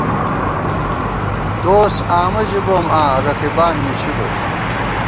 دوس آمہ ژِبوم آں رقیبان نِشی بوت